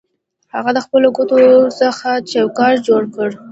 هغه د خپلو ګوتو څخه چوکاټ جوړ کړ